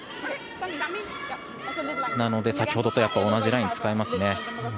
なので先ほどと同じラインを使いますね。